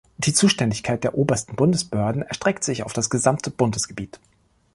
Die Zuständigkeit der Obersten Bundesbehörden erstreckt sich auf das gesamte Bundesgebiet.